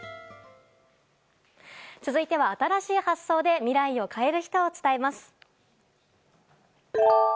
続いては、新しい発想で未来を変える人を伝えます。